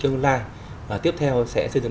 tương lai và tiếp theo sẽ xây dựng